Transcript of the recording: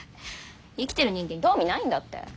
生きてる人間興味ないんだって。